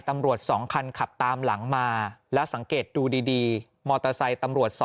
๒คันขับตามหลังมาแล้วสังเกตดูดีมอเตอร์ไซค์ตำรวจ๒